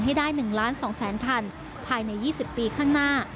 ให้ได้๑๒๐๐๐๐๐ถันภายใน๒๐ปีข้างหน้า